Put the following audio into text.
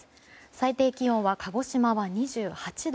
最低気温は鹿児島は２８度。